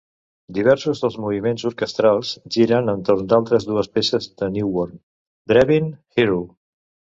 Diversos dels moviments orquestrals giren entorn d'altres dues peces de Newborn: Drebin - Hero!